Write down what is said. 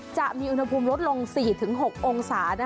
จะมีอุณหภูมิลดลง๔๖องศา